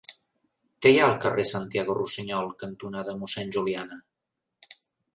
Què hi ha al carrer Santiago Rusiñol cantonada Mossèn Juliana?